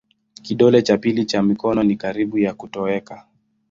Kidole cha pili cha mikono ni karibu ya kutoweka.